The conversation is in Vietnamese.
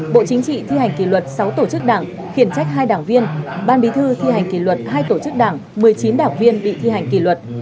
bộ chính trị thi hành kỷ luật sáu tổ chức đảng khiển trách hai đảng viên ban bí thư thi hành kỷ luật hai tổ chức đảng một mươi chín đảng viên bị thi hành kỷ luật